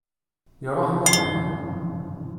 Iruḥ Muḥend.